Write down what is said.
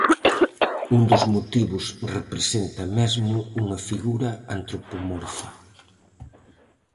Un dos motivos representa mesmo unha figura antropomorfa.